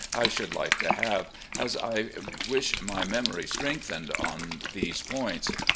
I should like to have, as I wish my memory strengthened on these points.